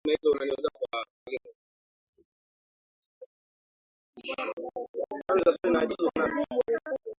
ugonjwa wa uchafu na donda kubwa kwenye paja hasa la mguu wa nyuma